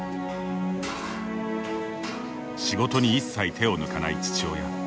仕事に一切、手を抜かない父親。